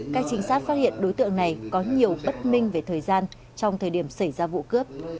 các chính sát phát hiện đối tượng này có nhiều bất minh về thời gian trong thời điểm xảy ra vụ cướp